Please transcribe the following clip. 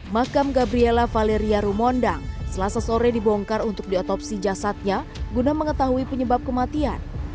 makam gabriela valeria rumondang selasa sore dibongkar untuk diotopsi jasadnya guna mengetahui penyebab kematian